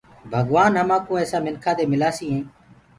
ڀگوآن همآنٚڪو ايسآ مِنکآنٚ دي ملآسي ائيٚنٚ